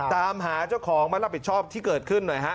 ตามหาเจ้าของมารับผิดชอบที่เกิดขึ้นหน่อยฮะ